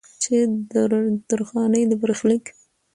چې د درخانۍ د برخليک